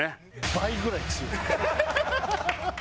倍ぐらい強い。